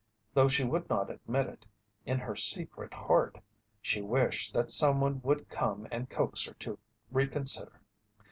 Though she would not admit it in her secret heart, she wished that someone would come and coax her to reconsider.